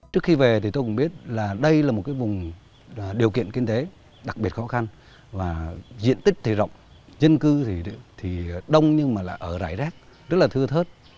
trước khi về thì tôi cũng biết đây là một vùng điều kiện kinh tế đặc biệt khó khăn diện tích thì rộng dân cư thì đông nhưng ở rải rác rất là thưa thớt